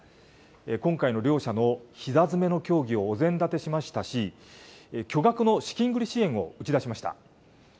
今回の両社のひざ詰めの協議をお膳立てしましたし、巨額の資金繰り支援を打ち出しました。